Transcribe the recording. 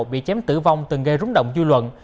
bị chém tử vong từng gây rúng động dư luận